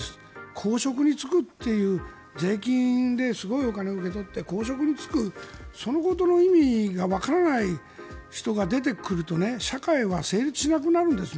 公職に就くという税金ですごいお金を受け取って公職に就くそのことの意味がわからない人が出てくると社会は成立しなくなるんですね。